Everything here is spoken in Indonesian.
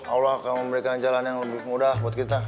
allah akan memberikan jalan yang lebih mudah buat kita